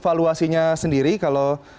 valuasinya sendiri kalau